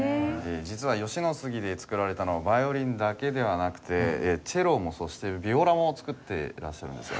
実は吉野杉で作られたのはヴァイオリンだけではなくてチェロもそしてヴィオラも作ってらっしゃるんですよね。